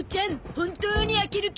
本当に開ける気？